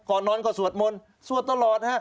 นอนก็สวดมนต์สวดตลอดฮะ